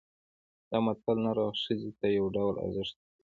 دا متل نر او ښځې ته یو ډول ارزښت ورکوي